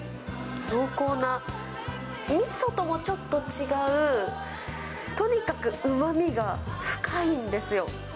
濃厚なみそともちょっと違う、とにかくうまみが深いんですよ。